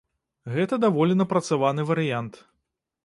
Гэта даволі напрацаваны варыянт.